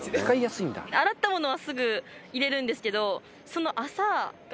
洗ったものはすぐ入れるんですけど。